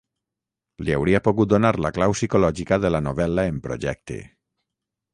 ...li hauria pogut donar la clau psicològica de la novel·la en projecte.